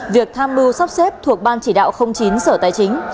việc tham mưu sắp xếp thuộc ban chỉ đạo chín sở tài chính